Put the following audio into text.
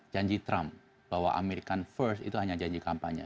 janji trump bahwa american first itu hanya janji kampanye